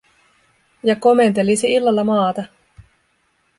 Ja komentelisi illalla maata.